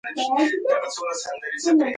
د ښځو نوښتونه د وطن د سمسورتیا لپاره کارول کېږي.